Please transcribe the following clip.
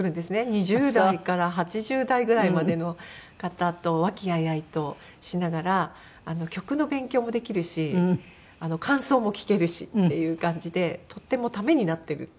２０代から８０代ぐらいまでの方と和気あいあいとしながら曲の勉強もできるし感想も聞けるしっていう感じでとってもためになってるっていう。